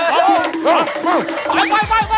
หมดแล้ว